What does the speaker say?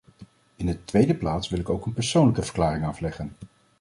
In de tweede plaats wil ik ook een persoonlijke verklaring afleggen.